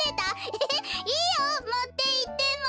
エヘヘいいよもっていっても。